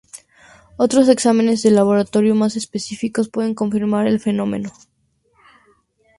Otros exámenes de laboratorio más específicos pueden confirmar el fenómeno.